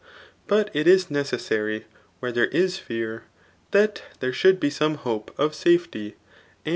: But it is necessary [where there is fear] that Uiere should be ^aine hope of ^qafccy, ^amd.